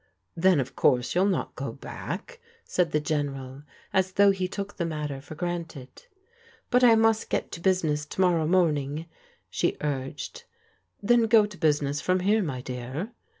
" Then, of course, jrouTl not go back," said the Gen eral, as though he took the matter for granted. " But I must get to business to morrow morning," she urged. " Then go to business from here, my dear."